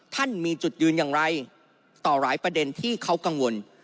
ท่านมีจุดยืนอย่างไรต่อหลายประเด็นที่เขากังวล